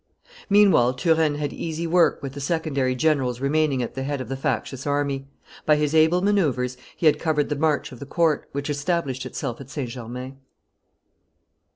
Meanwhile Turenne had easy work with the secondary generals remaining at the head of the factious army; by his able maneeuvres he had covered the march of the court, which established itself at St. Germain.